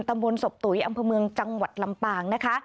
ตำบลศพตุ๋ยอำเภอเมืองจังหวัดลำปางนะคะ